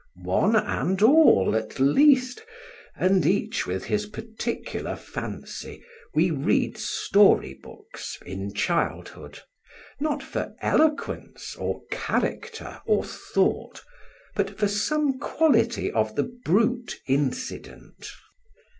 One and all, at least, and each with his particular fancy, we read story books in childhood; not for eloquence or character or thought, but for some quality of the brute incident.